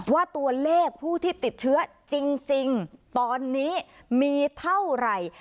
ว่าตัวเลขผู้ที่ติดเชื้อจริงตอนนี้มีเท่าไหร่